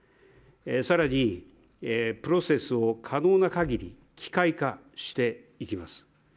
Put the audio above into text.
更にプロセスを可能な限り機械化していきます。